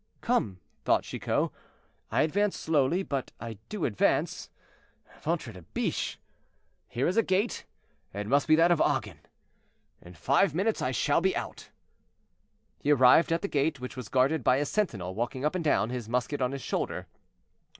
"Come," thought Chicot, "I advance slowly, but I do advance. Ventre de biche! here is a gate; it must be that of Agen; in five minutes I shall be out." He arrived at the gate, which was guarded by a sentinel walking up and down, his musket on his shoulder.